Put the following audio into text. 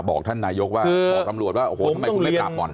บอกท่านนายกว่าบอกตำรวจว่าโอ้โหทำไมคุณไม่ปราบบ่อน